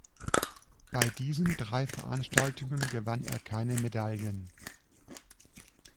Bei diesen drei Veranstaltungen gewann er keine Medaillen.